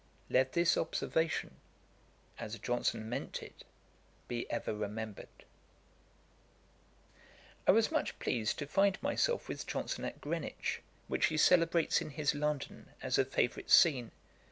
Let this observation, as Johnson meant it, be ever remembered. I was much pleased to find myself with Johnson at Greenwich, which he celebrates in his London as a favourite scene.